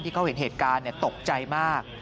ที่เขาเห็นเหตุการณ์ตกใจมาก